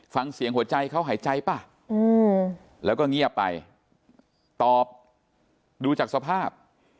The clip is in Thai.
ฟังเสียงหัวใจเขาหายใจป่ะแล้วก็เงียบไปตอบดูจากสภาพ